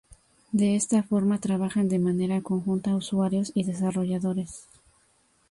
De esta forma, trabajan de manera conjunta usuarios y desarrolladores.